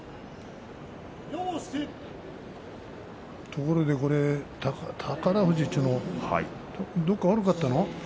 ところでこれ宝富士というのはどこか悪かったの？